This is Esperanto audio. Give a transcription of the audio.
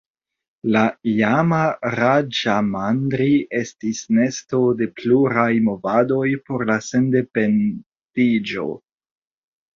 La iama Raĝamandri estis nesto de pluraj movadoj por la sendependiĝo.